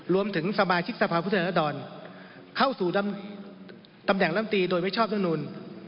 รวมถึงสมาชิกสภาพพุทธแหละดอนเข้าสู่ตำแหน่งรัฐมนตรีโดยไว้ชอบทั้งนู้น